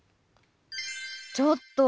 ちょっと！